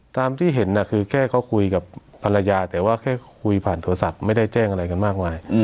ตามที่เห็นคือแค่เขาคุยกับภรรยาแต่ว่าแค่คุยผ่านโทรศัพท์ไม่ได้แจ้งอะไรกันมากมาย